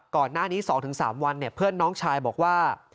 ก่อนหน้านี้๒๓วันเพื่อนน้องชายบอกว่า